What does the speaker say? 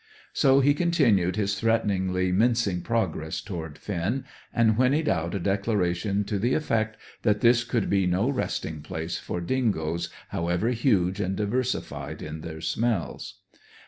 So he continued his threateningly mincing progress toward Finn, and whinnied out a declaration to the effect that this could be no resting place for dingoes, however huge and diversified in their smells.